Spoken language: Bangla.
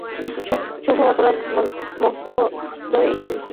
শুভ অপরাহ্ন, মহোদয়গণ।